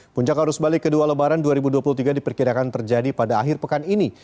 puncak arus balik kedua lebaran dua ribu dua puluh tiga diperkirakan terjadi pada akhir pekan ini